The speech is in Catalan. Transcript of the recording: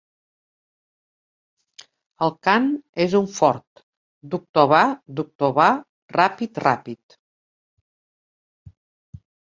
El cant és un fort "doctor-va doctor-va rà-pid rà-pid".